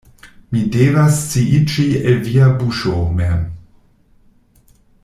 Mi devas sciiĝi el via buŝo mem.